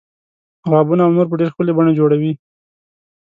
غابونه او نور په ډیره ښکلې بڼه جوړوي.